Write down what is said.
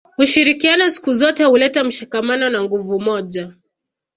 ushirikiano siku zote huleta mshikamano na nguvu moja